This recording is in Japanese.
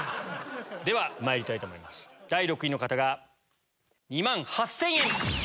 ではまいりたいと思います第６位の方が２万８０００円。